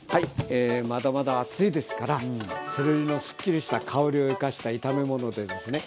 まだまだ暑いですからセロリのスッキリした香りを生かした炒め物でですね。